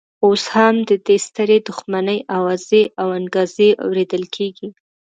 اوس هم د دې سترې دښمنۍ اوازې او انګازې اورېدل کېږي.